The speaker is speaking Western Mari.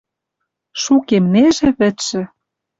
Шукемнежӹ вӹдшӹ.